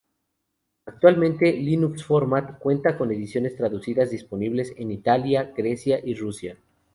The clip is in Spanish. Actualmente "Linux Format" cuenta con ediciones traducidas disponibles en Italia, Grecia y Rusia.